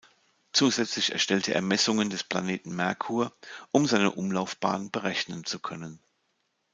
Zusätzlich erstellte er Messungen des Planeten Merkur um seine Umlaufbahn berechnen zu können.